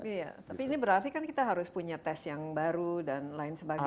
iya tapi ini berarti kan kita harus punya tes yang baru dan lain sebagainya